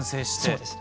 そうです。